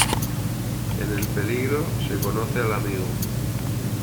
En el peligro, se conoce al amigo.